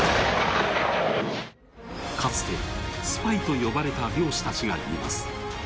かつてスパイと呼ばれた漁師たちがいます。